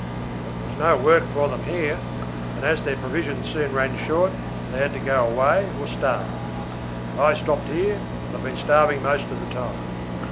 But there was no work for them here; and, as their provisions soon ran short, they had to go away or starve. I stopped here, and have been starving most of the time.